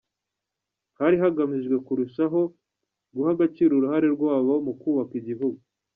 Hari hagamijwe kurushaho guha agaciro uruhare rwabo mu kubaka igihugu.